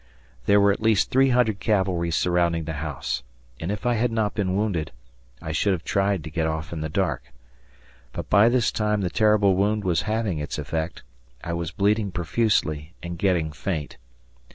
There were at least three hundred cavalry surrounding the house, and, if I had not been wounded, I should have tried to get off in the dark. But by this time the terrible wound was having its effect; I was bleeding profusely and getting faint.